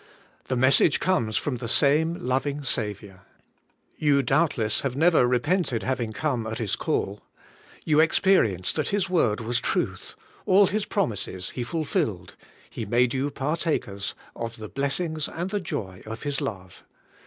The message comes from the same loving Saviour. You doubtless have never re pented having come at His call. You experienced that His word was truth ; all His promises He fulfilled ; He made you partakers of the blessings and the joy of His love.